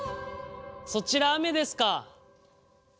そちら雨ですか。